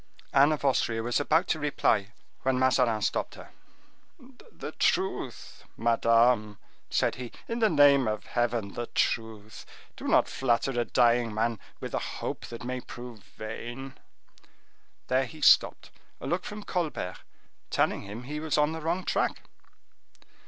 Anne of Austria was about to reply, when Mazarin stopped her. "The truth, madame," said he—"in the name of Heaven, the truth! Do not flatter a dying man with a hope that may prove vain." There he stopped, a look from Colbert telling him he was on the wrong track.